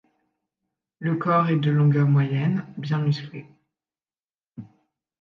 Le corps est de longueur moyenne, bien musclé.